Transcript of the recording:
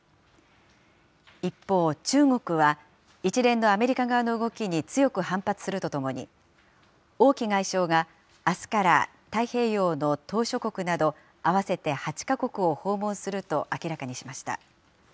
一方、中国は、一連のアメリカ側の動きに強く反発するとともに、王毅外相があすから太平洋の島しょ国など、合わせて８か国を訪問すると明らかにしました。